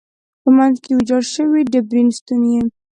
په منځ کې ویجاړ شوی و، ډبرین ستون یې.